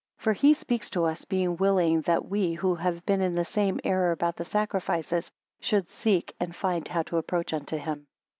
For he speaks to us, being willing that we who have been in the same error about the sacrifices, should seek and find how to approach unto him.